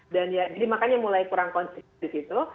dan ya jadi makanya mulai kurang konstitusi itu